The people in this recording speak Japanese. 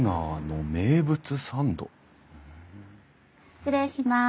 失礼します。